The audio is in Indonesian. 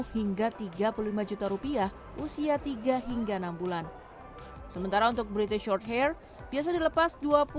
hingga tiga puluh lima juta rupiah usia tiga hingga enam bulan sementara untuk british shorthere biasa dilepas